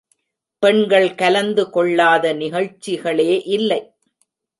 பெண்கள் கலந்து கொள்ளாத நிகழ்ச்சிகளே இல்லை.